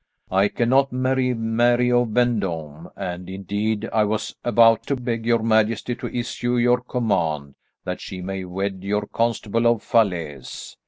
I cannot marry Mary of Vendôme, and indeed I was about to beg your majesty to issue your command that she may wed your Constable of Falaise.